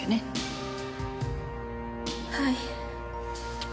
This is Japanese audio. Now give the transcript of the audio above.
はい。